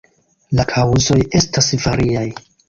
La kaŭzoj estas variaj.